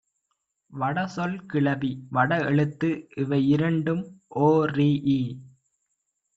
வடசொல் கிளவி, வடஎழுத்து இவையிரண்டும் ஒரீஇ